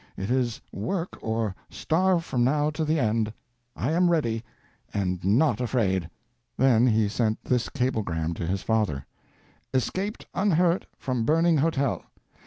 It is work or starve from now to the end. I am ready—and not afraid!" Then he sent this cablegram to his father: "Escaped unhurt from burning hotel.